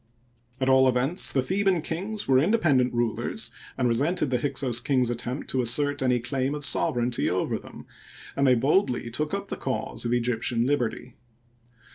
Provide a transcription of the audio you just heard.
At all events, the Theban kings were independ ent rulers, and resented the Hyksos king's attempt to assert any claim of sovereignty over them ; and they boldly took up the cause of Egyptian liberty.